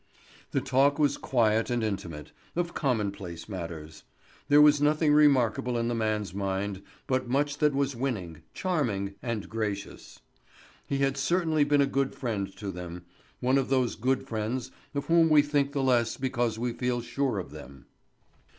The talk was quiet and intimate, of commonplace matters. There was nothing remarkable in the man's mind, but much that was winning, charming, and gracious. He had certainly been a good friend to them, one of those good friends of whom we think the less because we feel sure of them.